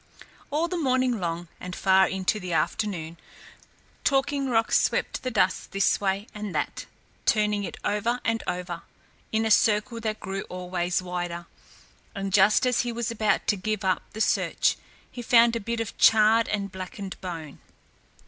All the long morning and far into the afternoon, Talking Rock swept the dust this way and that, turning it over and over, in a circle that grew always wider, and just as he was about to give up the search, he found a bit of charred and blackened bone.